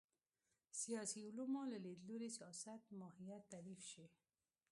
سیاسي علومو له لید لوري سیاست ماهیت تعریف شي